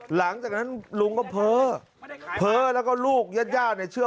หลังจากนั้นรูกก็เพอแล้วก็ลูกย่านี่